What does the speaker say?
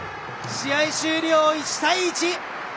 試合終了、１対１。